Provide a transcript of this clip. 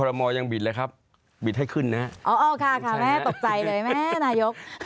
มอลยังบิดเลยครับบิดให้ขึ้นนะฮะอ๋อค่ะค่ะแม่ตกใจเลยแม่นายก